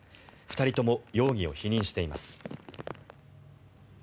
２人とも容疑を否認しています。